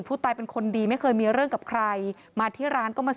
ผู้ตายเป็นคนดีไม่เคยมีเรื่องกับใครมาที่ร้านก็มา